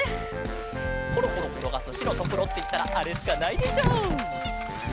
コロコロころがすしろとくろっていったらあれしかないでしょ！